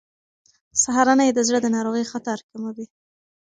سهارنۍ د زړه د ناروغۍ خطر کموي.